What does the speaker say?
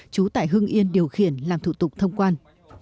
chú tại hưng yên điều khiển làm thủ tục thông quan